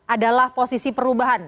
adalah posisi perubahan